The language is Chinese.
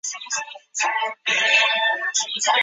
西边与若松町的町界是夏目坂通。